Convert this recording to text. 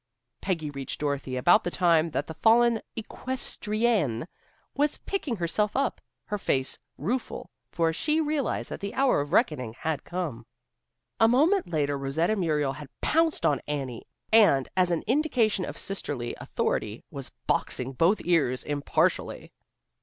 Peggy reached Dorothy about the time that the fallen equestrienne was picking herself up, her face rueful, for she realized that the hour of reckoning had come. A moment later Rosetta Muriel had pounced on Annie, and, as an indication of sisterly authority, was boxing both ears impartially.